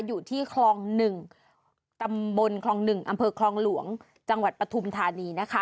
อยู่ที่คลอง๑ตำบลคลอง๑อำเภอคลองหลวงจังหวัดปฐุมธานีนะคะ